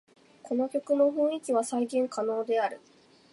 この曲の雰囲気は再現可能である